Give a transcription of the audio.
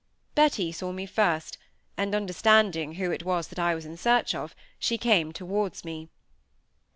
Betty saw me first, and understanding who it was that I was in search of, she came towards me.